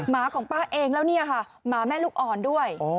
หมาของป้าเองแล้วเนี่ยค่ะหมาแม่ลูกอ่อนด้วย